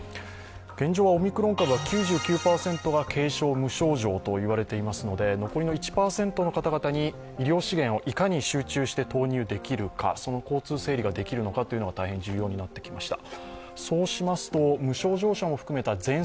現状はオミクロン株は９９％が軽症、無症状と言われていますので、残りの１％の方々に医療資源をいかに集中して投入できるかその交通整理ができるのかというのが大変重要になってきました。